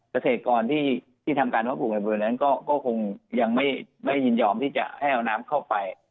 เกษตรกรที่ทำการเพาปลูกในบริเวณนั้นก็คงยังไม่ยินยอมที่จะให้เอาน้ำเข้าไป